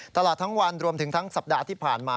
ตลอดทั้งวันรวมถึงทั้งสัปดาห์ที่ผ่านมา